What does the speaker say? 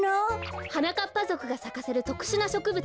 はなかっぱぞくがさかせるとくしゅなしょくぶつ。